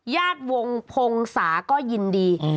ญาติวงภงศาก็ยินดี